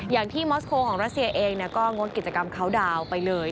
อย่างที่มอสโคของรัสเซียเองก็งดกิจกรรมเขาดาวน์ไปเลย